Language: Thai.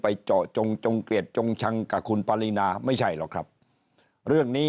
เจาะจงจงเกลียดจงชังกับคุณปารีนาไม่ใช่หรอกครับเรื่องนี้